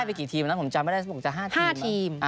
ได้ไปกี่ทีมนั้นผมจำไม่ได้บอกว่าจะ๕ทีม